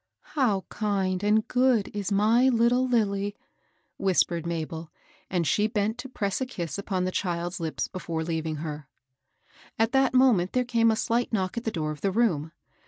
" How kind and good is my httle Lilly 1 " whis pered Mabel, and she bent to press a kiss upon the child's lips before leaving her. At that moment there came a slight knock at the door of the room.